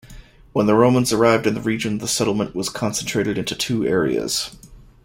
When the Romans arrived in the region, the settlement was concentrated into two areas.